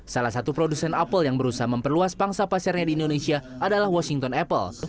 salah satu produsen apple yang berusaha memperluas pangsa pasarnya di indonesia adalah washington apple